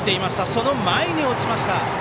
その前に落ちました。